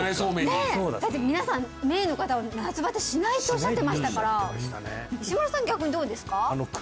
ねえだって皆さん名医の方は夏バテしないっておっしゃってましたから石丸さん逆にどうですか？